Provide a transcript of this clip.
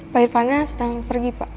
pak irfan nya setengah pergi pak